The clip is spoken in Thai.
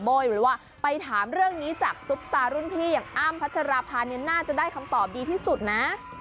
หรือว่าไปถามเรื่องนี้จากซุปตารุ่นพี่อย่างอ้ำพัชราภาเนี่ยน่าจะได้คำตอบดีที่สุดนะ